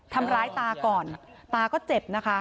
ทำร้ายตาก่อนตาก็เจ็บนะคะ